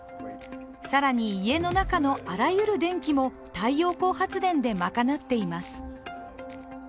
更に、家の中のあらゆる電気も太陽光発電で賄っています。